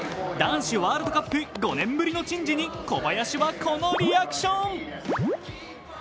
男子ワールドカップ５年ぶりの珍事に小林はこのリアクション。